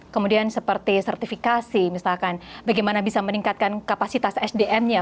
kemudian seperti sertifikasi misalkan bagaimana bisa meningkatkan kapasitas sdm nya